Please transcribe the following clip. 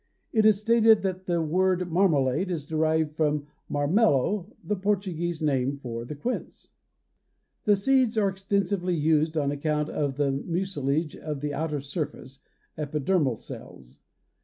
It is stated that the word marmalade is derived from marmelo, the Portuguese name for quince. The seeds are extensively used on account of the mucilage of the outer surface (epidermal cells).